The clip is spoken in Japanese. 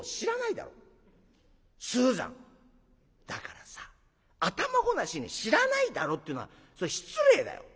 「だからさ頭ごなしに『知らないだろ』って言うのはそれ失礼だよ。